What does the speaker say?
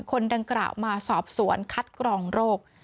คนดังกล่าวมาสอบสวนคัดกรองโรค